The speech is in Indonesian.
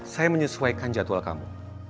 saya menyesuaikan jadwal kamu